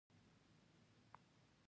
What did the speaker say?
ایا په خوب کې خبرې کوئ؟